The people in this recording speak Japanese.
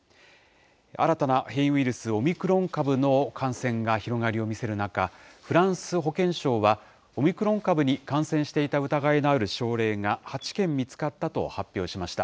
新たな変異ウイルス、オミクロン株の感染が広がりを見せる中、フランス保健省はオミクロン株に感染していた疑いのある症例が８件見つかったと発表しました。